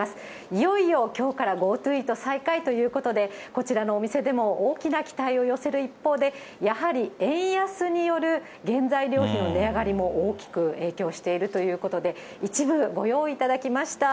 いよいよきょうからＧｏＴｏイート再開ということで、こちらのお店でも、大きな期待を寄せる一方で、やはり円安による原材料費の値上がりも大きく影響しているということで、一部ご用意いただきました。